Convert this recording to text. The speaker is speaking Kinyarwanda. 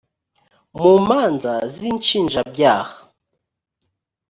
mu manza z inshinjabyaha